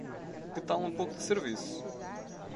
Que tal um pouco de serviço?